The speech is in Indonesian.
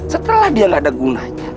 setelah dia gak ada gunanya